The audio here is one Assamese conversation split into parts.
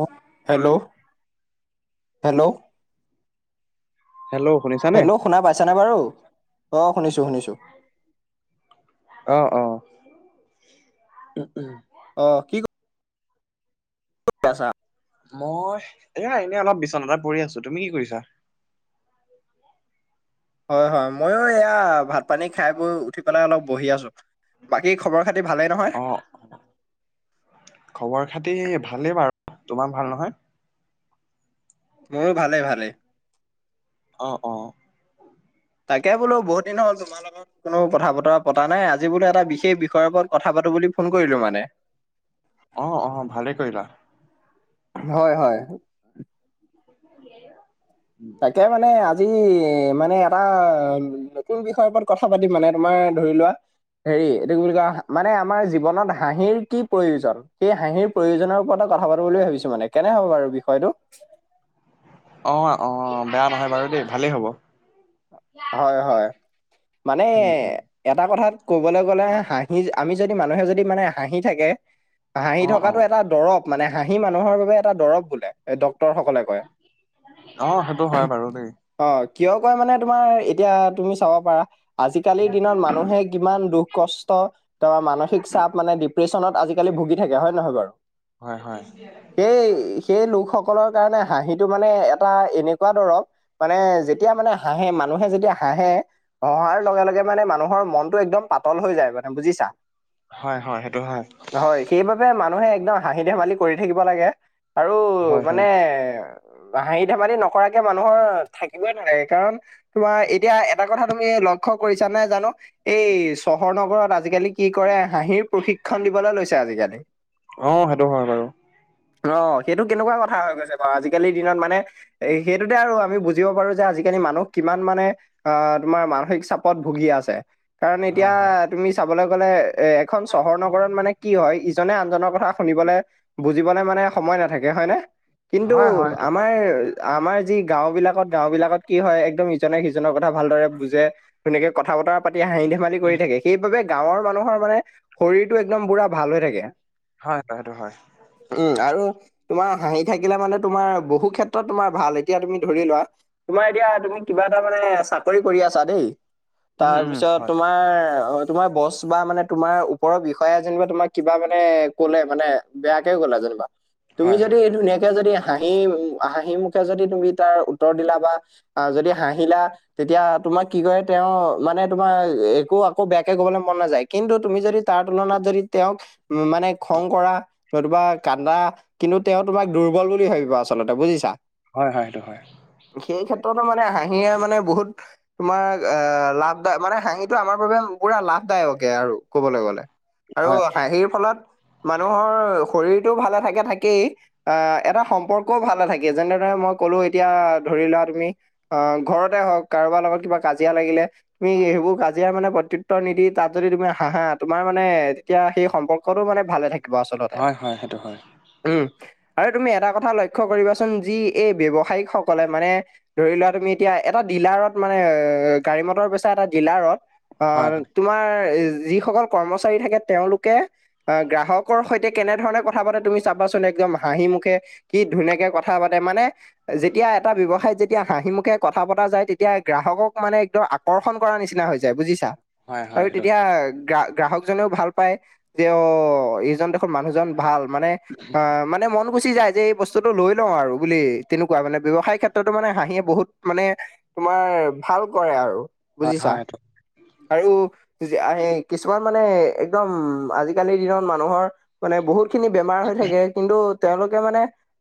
অ হেল্ল'? হেল্ল'? হেল্ল'! শুনিছানে? হেল্ল' শুনা পাইছানে বাৰু? অ'! শুনিছোঁ, শুনিছোঁ। অ' অ'! উম! উম! অ'! কি ক ক'ত আছা? মই, এইয়া এনেই অলপ, বিচনাতে এটা পৰি আছোঁ। তুমি কি কৰিছা? হয়, হয়। মইয়ো এইয়া, ভাত-পানী খাই বৈ, উঠি পেলাই, অলপ বহি আছোঁ। বাকী, খবৰ-খাতি ভালেই নহয়? খবৰ-খাতি ভালেই বাৰু। তোমাৰ ভাল নহয়? মোৰো ভালে, ভালে। অ' অ'! তাকে, বোলো বহুত দিনো হ'ল, তোমাৰ লগত কোনো কথা-বতৰা পতা নাই। আজি বোলো, এটা বিশেষ বিষয়ৰ ওপৰত, কথা পাতোঁ বুলি, ফোন কৰিলোঁ মানে। অ' অ'! ভালে কৰিলা। হয়, হয়। [inaudible] তাকে মানে আজি মানে এটা, নতুন বিষয়ৰ ওপৰত কথা পাতিম মানে, তোমাৰ ধৰি লোৱা হেৰি, এইটো কি বুলি কয়! মানে, আমাৰ জীৱনত হাঁহিৰ কি প্ৰয়োজন? সেই, হাঁহিৰ প্ৰয়োজনৰ ওপৰতো কথা পাতোঁ বুলি ভাবিছোঁ, মানে! কেনে হ'ব বাৰু বিষয়টো? অ' অ'! বেয়া নহয় বাৰু দেই, ভালেই হ'ব। হয়, হয়। মানে, উম উম এটা কথাত, ক'বলৈ গ'লে হাঁহি, আমি যদি, মানুহে যদি মানে, হাঁহি থাকে হাঁহি অ অ থকাটো এটা দৰব মানে। হাঁহি মানুহৰ বাবে এটা দৰব বোলে, ডক্তৰ সকলে- অ', সেইটো হয় বাৰু দেই। অ', কিয় কয় মানে তোমাৰ, এতিয়া তুমি চাব পাৰা। আজিকালিৰ দিনত মানুহে কিমান দুখ কষ্ট বা মানসিক চাপ মানে ডিপ্ৰেছনত, আজি- কালি ভুগি থাকে হয়নে নহয় বাৰু। হয় হয়। সেই সেই লোকসকলৰ কাৰণে হাঁহিটো মানে এটা এনেকুৱা দৰৱ, মানে যেতিয়া মানে। হাঁহে, মানুহে যেতিয়া হাঁহে, হহাৰ লগে লগে মানে মানুহৰ মন- টো একদম পাতল হৈ যায় মানে বুজিছাঁ। হয় হয়, সেইটো হয়। হয়, সেইবাবে মানুহে একদম হাঁহি-ধেমালি কৰি থাকিব লাগে আৰু হয় হয় মানে হাঁহি-ধেমালি নকৰাকে মানুহ থাকিবই নালাগে, কাৰণ- তোমাৰ এতিয়া এটা কথা তুমি লক্ষ্য কৰিছা নে জানোঁ, এই চহৰ নগৰত আজিকালি- কি কৰে, হাঁহিৰ প্ৰশিক্ষণ দিবলৈ লৈছে আজিকালি। অ সেইটো হয় বাৰু অ', সেইটো কেনেকুৱা কথা হৈ গৈছে বাৰু আজিকালিৰ দিনত মানে। এ সেইটোতে আৰু আমি বুজিব পাৰোঁ যে- আজিকালি মানুহ কিমান মানে আহ্, তোমাৰ মানসিক চাপত ভুগি আছে। কাৰণ হয় হয় এতিয়া- তুমি চাবলৈ গ'লে এতিয়া, এখন চহৰ নগৰত মানে কি হয়, ইজনে আনজনৰ কথা শুনিবলৈ- বুজিবলৈ মানে সময় নাথাকে হয়নে? কিন্তু হয় হয় সেইটো হয় আমাৰ আমাৰ যি গাওঁ বিলাকত, গাওঁ বিলাকত কি হয় একদম ইজনে-সিজনৰ কথা ভালদৰে বুজে, ধুনীয়াকে কথা বতৰা পাতি হাঁহি-ধেমালি কৰি থাকে, সেইবাবে। গাঁৱৰ মানুহৰ মানে শৰীৰটো এক্দম পুৰা ভাল হৈ থাকে। হয় হয়, সেইটো হয়। উম্ আৰু। তোমাৰ হাঁহি থাকিলে, মানে তোমাৰ বহু ক্ষেত্ৰত তোমাৰ ভাল এতিয়া তুমি ধৰি লোৱা। তোমাৰ এতিয়া, তুমি কিবা এটা মানে চাকৰি কৰি আছা দেই। উম উম তাৰপিছত হয় তোমাৰ অ তোমাৰ বছ বা মানে তোমাৰ ওপৰৰ বিষয়া, যেনিবা তোমাক কিবা মানে ক'লে মানে। বেয়াকে গ'লা যেনিবা। তুমি হয় যদি হয় ধুনীয়াকে যদি হাঁহি, হাঁহি মুখে যদি তুমি তাৰ উত্তৰ দিলা বা যদি হাঁহিলা। তেতিয়া তোমাক কি কৰে, তেওঁ মানে তোমাৰ একো আকৌ বেয়াকে ক'বলৈ মন নাযায়। কিন্তু তুমি যদি তাৰ তুলনাত যদি তেওঁক মানে খং কৰা নতুবা কান্দা কিন্তু তেওঁ তোমাক দুৰ্বল বুলি ভাবিব আচলতে বুজিছা। হয় হয়, সেইটো হয়। সেই ক্ষেত্ৰতো মানে হাঁহিয়ে মানে বহুত তোমাৰ অ', লাভদায় মানে হাঁহিটো আমাৰ বাবে পুৰা লাভদায়কে আৰু ক'বলৈ গ'লে। আৰু হয় হাঁহিৰ ফলত মানুহৰ শৰীৰটো ভালে থাকে থাকেই। আহ্ এটা সম্পৰ্কও ভাল নাথাকে, যেনেদৰে মই কলোঁ, এতিয়া ধৰি লোৱা তুমি। অ', ঘৰতে হওঁক, কাৰোবাৰ লগত কিবা কাজিয়া লাগিলে তুমি সেইবোৰ কাজিয়া কাজিয়াৰ মানে প্ৰত্যুত্তৰটো নিদি, তাত যদি তুমি হাঁহা, তোমাৰ মানে তেতিয়া সেই সম্পৰ্কটো মানে ভালে থাকে। আচলতে। হয় হয় সেইটো হয় উম্ আৰু তুমি এটা কথা লক্ষ্য কৰিবাচোন। যি এই ব্যৱসায়িকসকলে মানে ধৰি লোৱা। এতিয়া এটা ডিলাৰত মানে, গাড়ী মটৰ বেচা এটা ডিলাৰত হয় তোমাৰ যিসকল কৰ্মচাৰী থাকে, তেওঁলোকে। অ', গ্ৰাহকৰ সৈতে কেনেধৰণে কথা পাতে তুমি চাবাচোন, একদম হাঁহিমুখে। কি ধুনীয়াকে কথা পাতে, মানে যেতিয়া এটা ব্যৱসায়ত যেতিয়া হাঁহি ম কথা পতা যায়। তেতিয়া গ্ৰাহকক মানে একদম আকৰ্ষণ কৰাৰ নিচিনা হৈ যায় বুজিছা। হয় হয় আৰু সেইটো তেতিয়া গ গ্ৰাহক জনেও ভাল পায় যে। অ', এইজন দেখোন মানুহজন ভাল, মানে অ'। মানে মন গুচি যায়, যে এই বস্তুটো লৈ লওঁ আৰু বুলি তেনেকুৱা মানে ব্যৱসায়ৰ ক্ষেত্ৰতো মানে হাঁহিয়ে বহুত মানে তোমাৰ ভাল কৰে আৰু হয় বুজিছা, হয় সেইটো আৰু আহেই কিছুমান মানে একদম আজিকালিৰ দিনত মানুহৰ মানে বহুত খিনি বেমাৰ হৈ থাকে। কিন্তু তেওঁলোকে মানে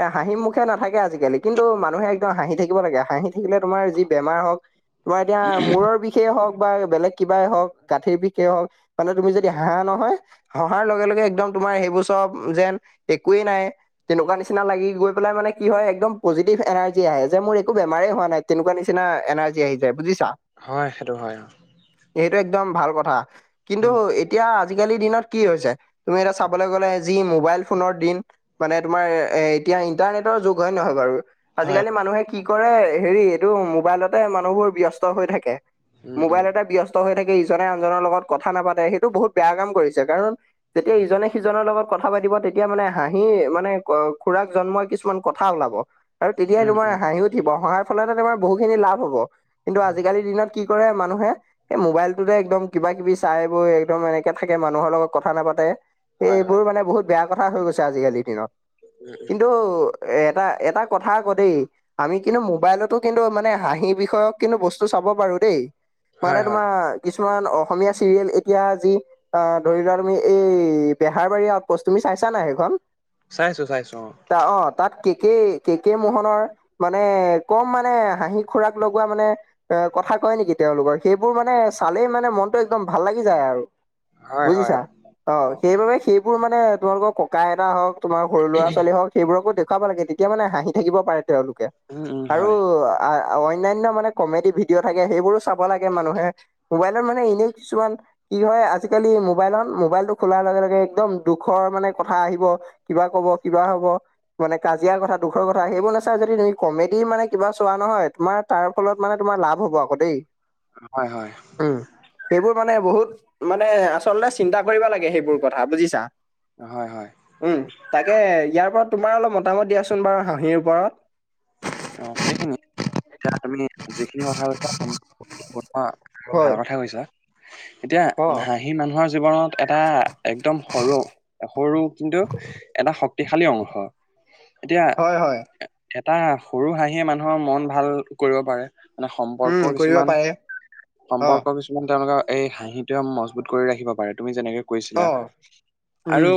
এ হাঁহি মুখে নাথাকে আজিকালি। কিন্তু মানুহে একদম হাঁহি থাকিব লাগে। হাঁহি থাকিলে তোমাৰ যি বেমাৰ হওঁক তোমাৰ এতিয়া মূৰৰ বিষে হওঁক বা বেলেগ কিবাই হওঁক গাঁঠিৰ বিষে হওঁক মানে তুমি যদি হাঁহা নহয় হঁহাৰ লগে লগে একদম তোমাৰ সেইবোৰ চব যেন একোৱেই নাই। তেনেকুৱা নিচিনা লাগি গৈ পেলাই মানে কি হয় একদম পজিটিভ এনাৰ্জি আহে যে মোৰ একো বেমাৰে হোৱা নাই তেনেকুৱা নিচিনা এনাৰজি আহি যায় বুজিছা? হয়, সেইটো হয় অ'। এইেটো একদম ভাল কথা। কিন্তু উম এতিয়া আজিকালিৰ দিনত কি হৈছে তুমি এতিয়া চাবলৈ গ'লে যি মোবাইল ফোনৰ দিন মানে তোমাৰ এতিয়া ইণ্টাৰনেটৰ যুগ হয় নহয় বাৰু? হয় আজিকালি মানুহে কি কৰে, হেৰি এইটো মোবাইলতে মানুহবোৰ ব্যস্ত হৈ থাকে। উম উম মোবাইল এতেটা ব্যস্ত হৈ থাকে ইজনে আনজনৰ লগত কথা নাপাতে সেইটো বহুত বেয়া কাম কৰিছে। কাৰণ যেতিয়া ইজনে সিজনৰ লগত কথা পাতিব তেতিয়া মানে হাঁহি মানে ক-সুৰাক জন্ম কিছু কিছুমান কথা ওলাব। আৰু তেতিয়াহ উম তোমাৰ উম হাঁহি উঠিব হঁহাৰ ফলতে তোমাৰ বহুখিনি লাভ হ'ব। কিন্তু আজিকালিৰ দিনত কি কৰে মানুহে এই মোবাইলটোতে একদম কিবা কিবি চাই বৈ একদম এনেকে থাকে মানুহৰ লগত কথা নাপাতে। এই হয় হয় এইবোৰ মানে বহুত বেয়া কথা হৈ গৈছে আজিকালিৰ দিনত। উম উম কিন্তু এটা এটা কথা আকৌ দেই আমি কিন্তু মোবাইলতো কিন্তু মানে হাঁহি বিষয়ক কিন্তু বস্তু চাব পাৰো দেই। মানে হয় হয় তোমাৰ কিছুমান অসমীয়া চিৰিয়েল এতিয়া যি আহ ধৰি লোৱা তুমি এই বেহাৰবাৰী আউটপোষ্ট তুমি চাইছা নাই সেইখন? চাইছো, চাইছো অ'। অ', তাত কে কে কে কে মোহনৰ মানে কম মানে হাঁহি সুৰাক লগোৱা মানে অ', কথা কয় নেকি তেওঁলোকৰ, সেইবোৰ মানে চালেই মানে মন টো একদম ভাল লাগি যায় আৰু হয় হয় বুজিছা। অ', সেইবাবে সেইবোৰ মানে তোমালোকৰ ককা এটা হওঁক তোমাৰ সৰু ল'ৰা ছোৱালী হওঁক। সেইবোৰকো দেখুৱাব লাগে তেতিয়া মানে হাঁহি থাকিব পাৰে তেওঁলোকে। উম উম আৰু হয় অন্যান্য মানে কমেডি ভিডিঅ' থাকে সেইবোৰো চাব লাগে মানুহে। মোবাইলত মানে এনেই কিছুমান কি হয় আজিকালি মোবাইলত মোবাইলটো খোলাৰ লগে লগে একদম দুখৰ মানে কথা আহিব। কিবা ক'ব কিবা হ'ব মানে কাজিয়া কথা দুখৰ কথা সেইবোৰ নাচাই যদি তুমি কমে ডি মানে কিবা চোৱা নহয়, তোমাৰ তাৰ ফলত মানে তোমাৰ লাভ হ'ব আকৌ দেই। হয়, হয়। উম, সেইবোৰ মানে বহুত মানে আচলতে চিন্তা কৰিবা লাগে সেইবোৰ কথা বুজিছা? হয়, হয়। উম, তাকে ইয়াৰ পৰা তোমাৰ অলপ মতামত দিয়াচোন বাৰু হাঁহিৰ ওপৰত। অ', সেইখিনি এতিয়া তুমি যিখিনি কথা কৈছা [unintelligible] বৰ হয়, ভাল কথা কৈছা। এতিয়া অ', হাঁহি মানুহৰ জীৱনত এটা একদম সৰু সৰু কিন্তু এটা শক্তিশালী অংশ। এতিয়া হয়, হয়। এটা সৰু হাঁহিয়ে মানুহৰ মন ভাল কৰিব পাৰে। মানে সম্পৰ্ক উম, কৰিব কিছুমান পাৰে অ', সম্পৰ্ক কিছু তেওঁলোকৰ এই হাঁহিটোৱে মজবুত কৰি ৰাখিব পাৰে তুমি যেনেকে কৈছিলা অ', আৰু উম।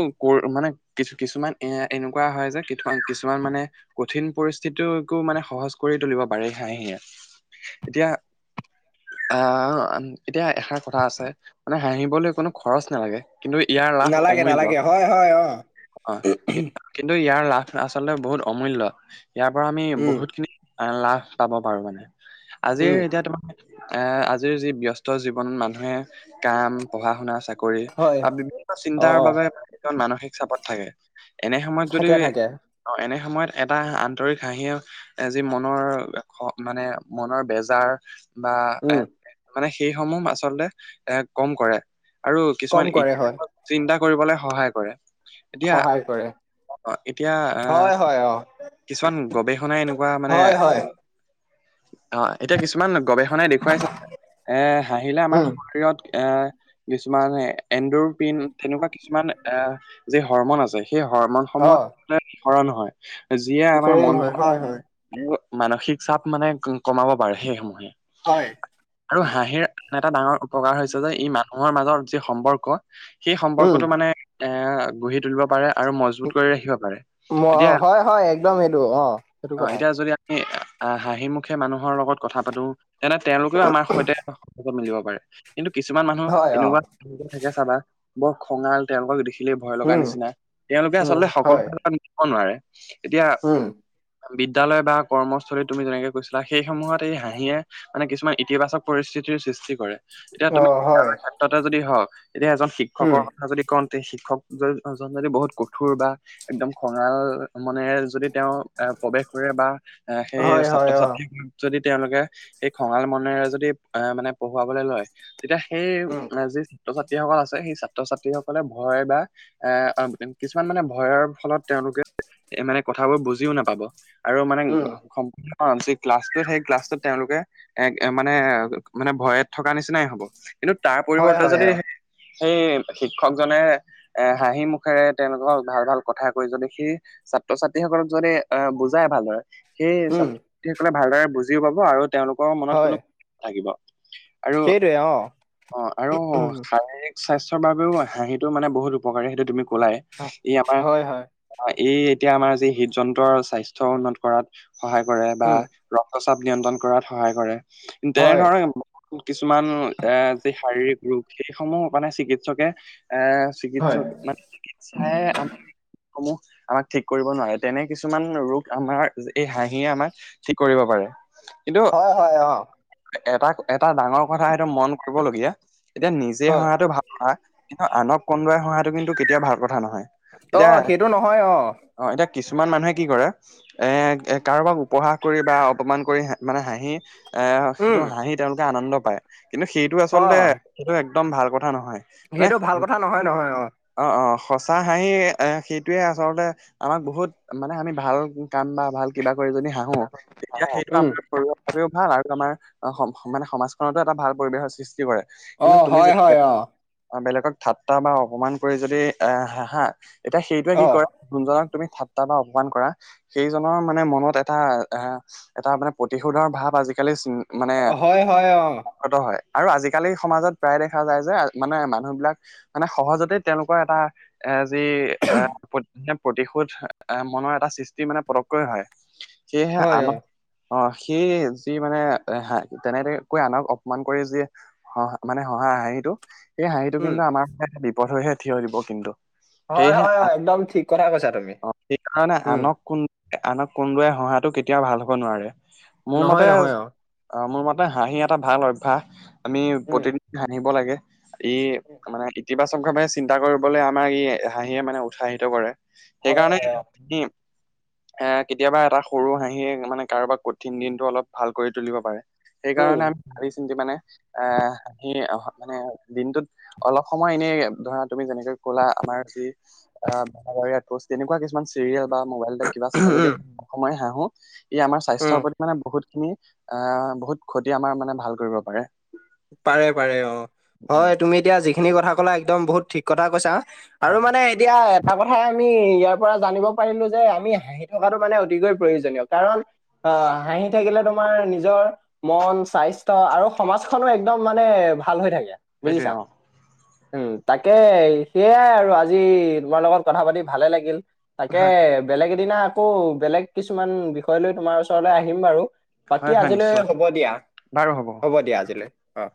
মানে কিছু কিছুমান এ এনেকুৱা হয় যে কিথু-কিছুমান মানে কঠিন পৰিস্থি যিটো একো মানে সহজ কৰি তুলিব পাৰে হে সেছ এতিয়া আহ এতিয়া এষাৰ কথা আছে মানে হাঁহিবলৈ কোনো খৰচ নালাগে। কিন্তু ইয়াৰ লাভ নালাগে, অমূল্যয় নালাগে হয়, হয়, অ', অ', কি কিন্তু ইয়াৰ লাভ আচলতে বহুত অমূল্য ইয়াৰ পৰা আমি উম, বহুতখিনি অ', লাভ পাব পাৰো মানে আজিৰ উম, এতিয়া তোমাৰ এ আজিৰ যি ব্যস্ত জীৱনত মানুহে কাম পঢ়া শুনা চাকৰি কৰি হয়, বা বিভিন্ন অ', চিন্তাৰ অ, বাবে মানসিক চাপত থাকে। এনে সময়ত যদি থাকে, থাকে, অ', এনে সময়ত এটা আন বাতৰি হাঁহি যি মনৰ মানে মনৰ বেজাৰ বা এ উম, মানে সেইসমূহ আচলতে এ কম কৰে। আৰু কম কিছুমান ই কৰে হয়, চিন্তা কৰিবলৈ সহায় কৰে। এতিয়া সহায় কৰে। অ', এতিয়া আহ হয়, হয়, অ', কিছুমান গৱেষণাই এনেকুৱা মানে হয়, হয়, অ', এতিয়া কিছুমান গৱেষণাই দেখুৱাইছে এ হাঁহিলে আমাৰ উম, শৰীৰত এ কিছুমান এডপিন তেনেকুৱা কিছুমান এ য হ'ৰমন আছে সেই হ'ৰমন অ', সময় ৰণ হয় যিয়ে আমাৰ সৰল মন হয়, হয়, ভাল হয়, মোৰ মানসিক চাপ মানে কমাব পাৰে সেইসমূহে হয়। আৰু অ, হাঁহিৰ আন এটা ডাঙৰ উপকাৰ হৈছে যে ই মানুহৰ মাজত যি সম্পৰ্ক সেই উম, সম্পৰ্কটো মানে এ গঢ়ি তুলিব পাৰে আৰু মজবুত কৰি ৰাখিব পাৰে ম এতিয়া হয়, হয় একদম এইটো অ'। সেইটো অ', কথা। এতিয়া যদি আমি আহ হাঁহিমুখে মানুহৰ লগত কথা পাতোঁ। তেনে তেওঁলোকেও আমাৰ সৈতে সহযোগ মিলিব পাৰে কিন্তু কিছুমান মানুহ হয়, অ, এনেকুৱা থাকে চাবা বৰ খঙাল তেওঁলোকক দেখিলে ভয় লগা উম, নিচিনা তেওঁলোকে উম, আচলতে সকলো হয়, ক নিব নোৱাৰে। এতিয়া উম, বিদ্যালয় বা কৰ্মস্থলীত তুমি যেনেকে কৈছিলা সেইসমূহত এই হাঁহিয়ে মানে কিছুমান ইতিবাচক পৰিস্থিতিৰ সৃষ্টি কৰে। এতিয়া অ, তুমি হয়, বিদ্যালয়ৰ ক্ষেত্ৰতে যদি হওক এতিয়া এজন উম, শিক্ষকৰ যদি কওঁতে শিক্ষকজন যদি বহুত কঠোৰ বা একদম খঙাল মনেৰে যদি তেওঁ এ প্ৰৱেশ কৰে বা এ সেই হয়, ছাত্ৰ হয়, অ, ছাত্ৰী যদি তেওঁলোকে এই খঙাল মনেৰে যদি আহ মানে পঢ়ুৱাবলৈ লয় তেতিয়া সেই উম, যি ছাত্ৰ ছাত্ৰীসকল আছে সেই ছাত্ৰ ছাত্ৰী সকলে ভয় বা এ কিছুমান মানে ভয়ৰ ফলত তেওঁলোকে এ মানে কথাবোৰ বুজিও নাপাব আৰু মানে উম, অ', যি ক্লাছটোত সেই ক্লাছটোত তেওঁলোকে এক মানে মানে ভয়ত থকা নিচিনাই হ'ব কিন্তু তাৰ হয়, পৰিৱৰ্তে হয়, যদি অ, সেই শিক্ষকজনে এ হাঁহি মুখেৰে তেওঁলোকক ভাল ভাল কথা কৈ যদি সি ছাত্ৰ ছাত্ৰী সকলক যদি আহ বুজাই ভাল দৰে সেই উম, সকলে ভালদৰে বুজিওঁ পাব আৰু তেওঁলোকৰ মনত হয়, কোনো থাকিব। আৰু সেইটোৱে অ, অ', আৰু উম, শাৰীৰিক স্বাস্থ্যৰ বাবেও হাঁহিটো মানে বহুত উপকাৰী সেইটো তুমি কলাই ই আমাৰ হয়, হয়, এই এতিয়া আমাৰ যি হৃদ যন্ত্ৰ স্বাস্থ্য উন্নত কৰাত সহায় কৰে বা উম, ৰক্তচাপ নিয়ন্ত্ৰণ কৰাত সহায় কৰে হয়, তেনেধৰণে কিছুমান এ যি শাৰীৰিক ৰোগ সেইসমূহ মানে চিকিৎসকে এ হয়, চিকিৎসক মানে চিৎসাই আম আমাক ঠিক কৰিব নোৱাৰে তেনে কিছুমান ৰোগ আমাৰ এই হাঁহিয়ে আমাক ঠিক কৰিব পাৰে। কিন্তু হয়, হয়, অ, এটা এটা ডাঙৰ কথা সেইটো মন কৰিবলগীয়া এতিয়া নিজে হয়, হঁহাটো ভাল কথা কিন্তু আনক কন্দোৱাই হঁহাটো কিন্তু কেতিয়াও ভাল কথা নহয়। এতিয়া অ' সেইটো নহয় অ'। অ' এতিয়া কিছুমান মানুহে কি কৰে এ কাৰোবাক উপহাস কৰি বা অপমান কৰি মানে হাঁহি এ উম, সেইটো হাঁহি তেওঁলোকে আনন্দ পায় কিন্তু সেইটো অ, আচলতে সেইটো একদম ভাল কথা নহয়। মানে সেইটো ভাল কথা নহয় নহয় অ'। অ', অ' সচা হাঁহি সি টোয়ে আচলতে আমাক বহুত মানে আমি ভাল কাম বা ভাল কিবা কৰি যদি হাহো হাহো তেতিয়া সেইটো উম, আমাৰ শৰীৰ বাবেও ভাল আৰু আমাৰ মানে সমাজখনতো এটা ভাল পৰিৱেশৰ সৃষ্টি কৰে। কিন্তু অ' তুমি হয় যেতিয়া হয় অ'। বেলেগক ঠাট্টা বা অপমান কৰি যদি এ হাহা তেতিয়া সেইটোয়ে কি অ, কৰে গুনজনক তুমি ঠাট্টা বা অপমান কৰা সেইজনৰ মানে মনত এটা, আহ এটা মানে প্ৰতিশোধৰ ভাৱ আজিকালি মানে হয়, হয়, অ, ত হয় আৰু আজিকালি সমাজত প্ৰায় দেখা যায় যে মানে মানুহবিলাক মানে সহজতে তেওঁলোকৰ এটা এ, যি এ মানে প্ৰতিশোধ এ মনৰ এটা সৃষ্টি মানে পতককৈ হয়, সেয়েহে হয়, আন অ, অ' সেই যি মানে, তেনেকৈ আনক অপমান কৰি যি অ' মানে হহাৰ হাঁহিটো, সেই হাঁহিটো উম, কিন্তু আমাৰ মানে বিপদ হৈহে থিয় দিব কিন্তু। হয়, সেয়েহে হয়, হয় আ- একদম ঠিক কথা কৈছা তুমি। অ' সেইকাৰণে উম, আনক কোন আনক কন্দুৱাই হঁহাটো কেতিয়াও ভাল হ'ব নোৱাৰে মোৰ নহয়, মতে নহয়, অ' মোৰ মতে হাঁহি এটা ভাল অভ্যাস। আমি উম, প্ৰতিদিনে হাঁহিব লাগে। ই মানে ইতিবাচক ভাৱে চিন্তা কৰিবলৈ আমাৰ ই হাঁহিয়ে মানে উৎসাহিত কৰে। হয়, সেইকাৰণে হয়, অ, [unintelligible] এ কেতিয়াবা এটা সৰু হাঁহিয়ে মানে কাৰোবাৰ কঠিন দিনটো অলপ ভাল কৰি তুলিব পাৰে। সেইকাৰণে উম। আমি ভাবি চিন্তি মানে আহ হাঁহি মানে দিনটোত অলপ সময় এনেই ধৰা তুমি যেনেকে ক'লা আমাৰ যি তেনেকুৱা কিছুমান চিৰিয়েল বা মোবাইলতে কিবা চাই যদিয়ো উম, অলপ সময় হাঁহো‌ ই আমাৰ উম, স্বাস্থ্যৰ প্ৰতি মানে বহুত খিনি, আহ বহুত ক্ষতি আমাৰ মানে ভাল কৰিব পাৰে। পাৰে পাৰে অ'। উম, হয়, তুমি এতিয়া যিখিনি কথা ক'লা একদম বহুত ঠিক কথা কৈছা। আৰু হয় মানে এতিয়া এটা কথাই আমি ইয়াৰ পৰা জানিব পাৰিলো যে আমি হাঁহি থকাটো মানে অতিকৈ প্ৰয়োজনীয় কাৰণ অ' হাঁহি থাকিলে তোমাৰ নিজৰ মন, স্বাস্থ্য আৰু সমাজ খনো একদম মানে ভাল হৈ থাকে সেইটোৱে বুজিছা। অ উম তাকে সেইয়াই আৰু আজি তোমাৰ লগত কথা পাতি ভালে লাগিল। তাকে হয় হয় বেলেগ এদিনা আকৌ বেলেগ কিছুমান বিষয় লৈ তোমাৰ ওচৰলৈ আহিম বাৰু হয় বাকী হয় আজিলৈ নিশ্চয় হ'ব দিয়া, হ'ব দিয়া আজিলৈ অ'।